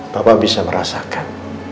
bapak bisa merasakan